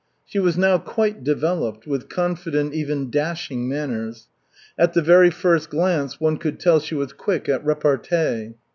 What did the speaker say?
She was now quite developed, with confident, even dashing manners. At the very first glance one could tell she was quick at repartee.